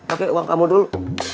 oke uang kamu dulu